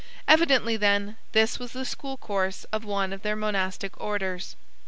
Evidently, then, this was the school course of one of their monastic orders."